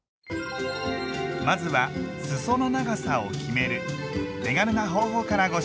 まずはすその長さを決める手軽な方法からご紹介します。